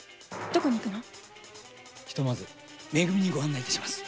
ひとまずめ組にご案内します。